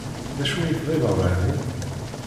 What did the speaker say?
D acu ay tɣileḍ ɛni?